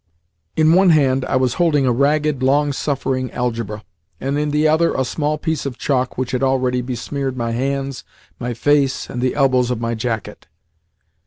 In one hand I was holding a ragged, long suffering "Algebra" and in the other a small piece of chalk which had already besmeared my hands, my face, and the elbows of my jacket.